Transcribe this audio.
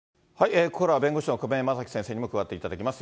ここからは、弁護士の亀井正貴先生にも加わっていただきます。